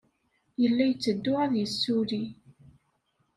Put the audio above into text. Yella yetteddu ad yessulli.